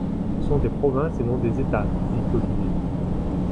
Ce sont des provinces et non des États, dit Toliné.